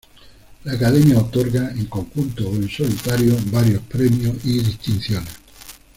La academia otorga, en conjunto o en solitario, varios premios y distinciones.